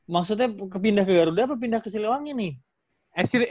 maksudnya pindah ke garuda apa pindah ke siliwangi nih